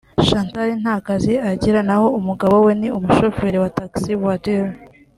Chantal nta kazi agira naho umugabo we ni umushoferi wa Taxi voiture